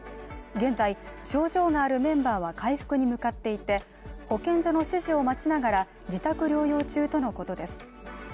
現在、症状があるメンバーは回復に向かっていて保健所の指示を待ちながら自宅療養中とのことです。